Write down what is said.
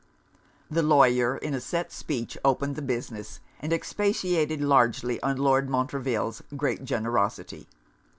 The lawyer in a set speech opened the business, and expatiated largely on Lord Montreville's great generosity.